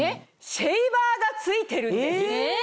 シェーバーが付いてるんです。